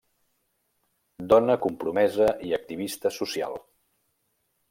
Dona compromesa i activista social.